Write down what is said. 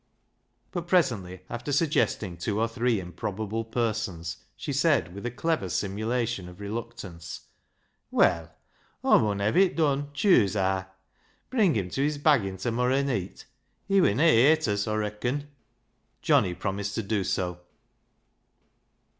But presently, after suggesting two or three improbable persons, she said, with a clever simulation of reluctance — "Well, Aw mun hev it done, chuse haa. Bring him tew his baggin' ta morra neet. He winna eight [eat] us. Aw reacon." Johnty promised to do so.